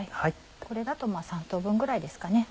これだと３等分ぐらいですかね。